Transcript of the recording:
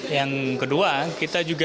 yang kedua kita juga